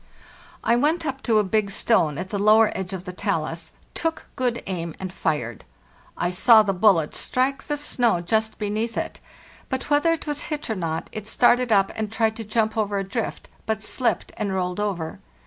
I went up to a big stone at the lower edge of the talus, took good aim, and fired. I saw the bullet strike the snow just beneath it, but, whether it was hit or not, it started up and tried to jump over a drift, but shpped, and rolled over.